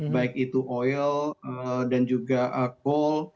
baik itu oil dan juga call